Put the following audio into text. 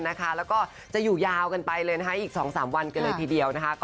และก็จะอยู่ยาวกันไปเลยอีกสองสามวันกันเลยทีเดียว